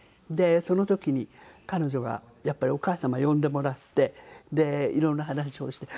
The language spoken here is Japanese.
その時に彼女がやっぱりお母様呼んでもらってで色んな話をして。